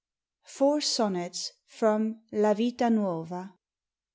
FOUR SONNETS FROM 'LA VITA NUOVA.